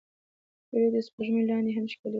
هیلۍ د سپوږمۍ لاندې هم ښکليږي